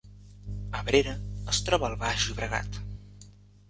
Abrera es troba al Baix Llobregat